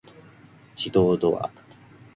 自動ドア